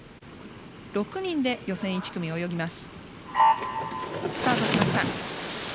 ６人で予選１組を泳ぎます。